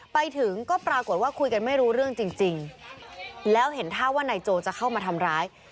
ไปถึงก็ปรากฏว่าคุยกันไม่รู้เรื่องจริงแล้วเห็นท่าว่านายโจจะเข้ามาทำร้าย